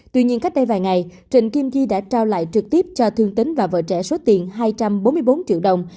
tuy nhiên cách đây vài ngày trịnh kim chi đã trao lại trực tiếp cho thương tính và vợ trẻ số tiền hai trăm bốn mươi bốn triệu đồng